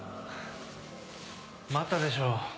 待ったでしょ。